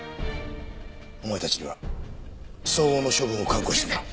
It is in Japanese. お前たちには相応の処分を覚悟してもらう。